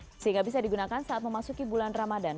nanti sehingga bisa digunakan saat memasuki bulan ramadhan